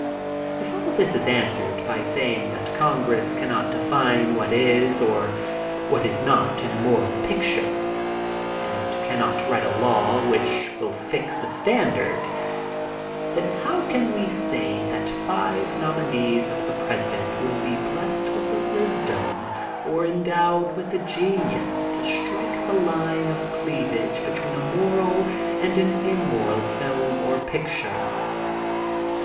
If all this is answered by saying that G>ngress can* not define what is or what is not an immoral picture, and cannot write a law which will fix a standard, then how can we say that five nominees of the President will be blessed with the wisdom or endowed with the genius to strike the line of cleavage between a moral and an immoral film or picture?